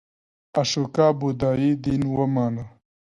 اشوکا بودایی دین ومانه.